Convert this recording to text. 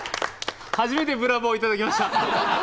初めて「ブラボー」頂きました。